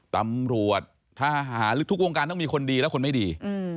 ตำรวจทหารหรือทุกวงการต้องมีคนดีและคนไม่ดี